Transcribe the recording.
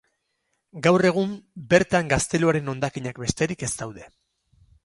Gaur egun bertan gazteluaren hondakinak besterik ez daude.